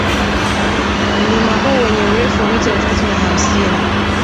Mlima huu wenye urefu wa mita elfu tatu na hamsini